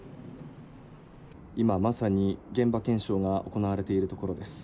今、まさに現場検証が行われているところです。